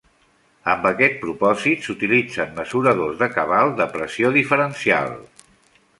Amb aquest propòsit s'utilitzen mesuradors de cabal de pressió diferencial.